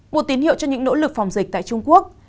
một tín hiệu cho những nỗ lực phòng dịch tại trung quốc